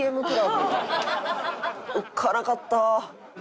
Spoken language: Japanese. おっかなかった。